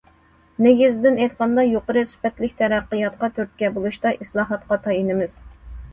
نېگىزىدىن ئېيتقاندا، يۇقىرى سۈپەتلىك تەرەققىياتقا تۈرتكە بولۇشتا ئىسلاھاتقا تايىنىمىز.